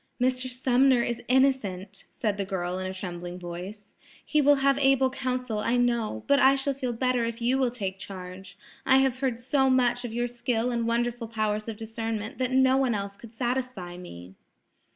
"Mr. Sumner is innocent," said the girl in a trembling voice. "He will have able counsel, I know; but I shall feel better if you will take charge. I have heard so much of your skill and wonderful powers of discernment that no one else could satisfy me."